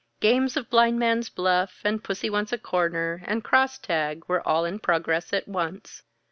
Games of blindman's buff, and pussy wants a corner, and cross tag were all in progress at once.